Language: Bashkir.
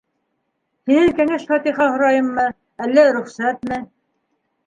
Һинән кәңәш-фатиха һорайыммы, әллә рөхсәтме?